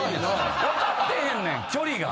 分かってへんねん距離が。